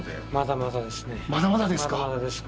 まだまだですか？